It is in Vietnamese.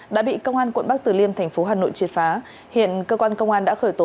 đã bị công an quận bắc tử liêm thành phố hà nội triệt phá hiện cơ quan công an đã khởi tố